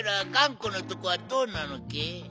このとこはどうなのけ？